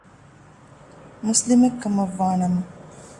މުސްލިމެއްކަމަށްވާ ނަމަ